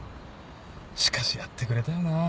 しかしやってくれたよな。